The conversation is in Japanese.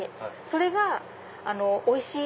それがおいしい！